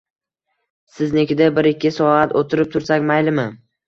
Siznikida bir-ikki soat o`tirib tursak maylimi